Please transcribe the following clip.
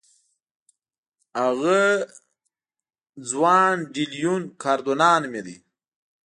هغه جوان ډي لیون کاردونا نومېده.